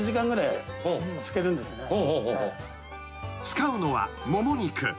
［使うのはもも肉］